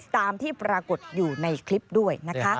ตามที่ปรากฏอยู่ในคลิปด้วยนะคะ